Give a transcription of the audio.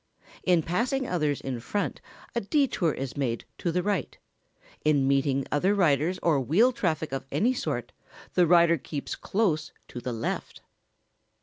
In passing others in front a detour is made to the right; in meeting other riders or wheel traffic of any sort the rider keeps close to the left.